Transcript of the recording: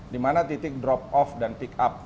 di mana titik drop off dan pick up